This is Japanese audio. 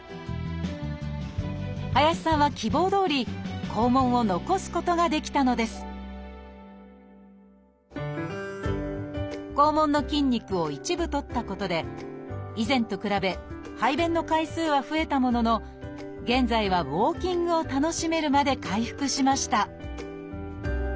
林さんは希望どおり肛門を残すことができたのです肛門の筋肉を一部取ったことで以前と比べ排便の回数は増えたものの現在はウォーキングを楽しめるまで回復しました